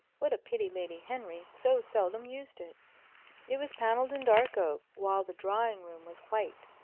What a pity Lady Henry so seldom used it! It was panelled in dark oak, while the drawing room was white.